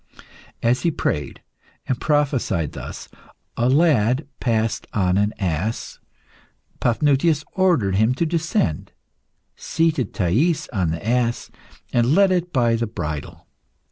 As he prayed and prophesied thus, a lad passed on an ass. Paphnutius ordered him to descend, seated Thais on the ass, and led it by the bridle.